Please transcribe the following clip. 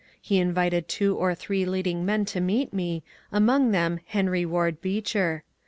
He invited two or three leading men to meet me, among them Henry Ward Beecher.